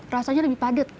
rasanya lebih padat